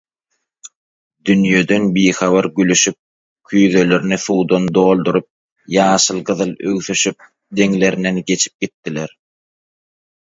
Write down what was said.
Dünýeden bihabar gülüşip, küýzelerini suwdan dolduryp, ýaşyl-gyzyl öwsüşip deňlerinden geçip gitdiler.